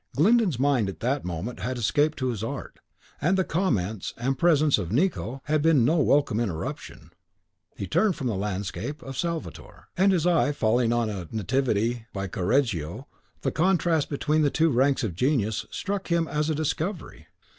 Glyndon's mind at that moment had escaped to his art, and the comments and presence of Nicot had been no welcome interruption. He turned from the landscape of Salvator, and his eye falling on a Nativity by Coreggio, the contrast between the two ranks of genius struck him as a discovery.